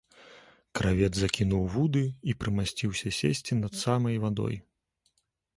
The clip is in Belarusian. Кравец закінуў вуды і прымасціўся сесці над самай вадой.